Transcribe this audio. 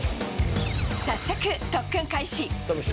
早速、特訓開始。